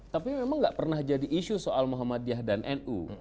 tapi memang nggak pernah jadi isu soal muhammadiyah dan nu